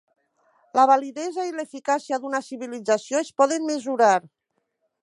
la validesa i l'eficàcia d'una civilització es poden mesurar